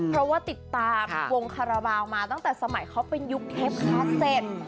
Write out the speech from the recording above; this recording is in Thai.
เพราะว่าติดตามวงคาราบาลมาตั้งแต่สมัยเขาเป็นยุคเทปคาเซ็ต